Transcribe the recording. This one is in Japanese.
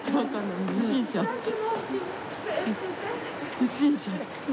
不審者。